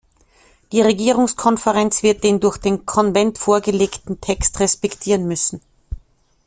Die Regierungskonferenz wird den durch den Konvent vorgelegten Text respektieren müssen.